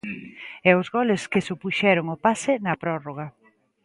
E os goles que supuxeron o pase, na prórroga.